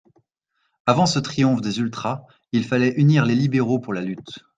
Avant ce triomphe des ultras, il fallait unir les libéraux pour la lutte.